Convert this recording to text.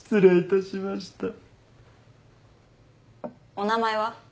お名前は？